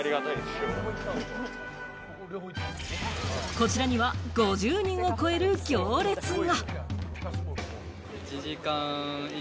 こちらには５０人を超える行列が。